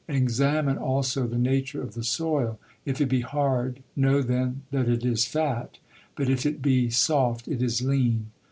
Examine also the nature of the soil. If it be hard, know then that it it fat; but if it be soft, it is lean."